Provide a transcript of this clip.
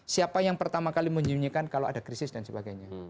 siapa yang pertama kali menyenyikan kalau ada krisis dan sebagainya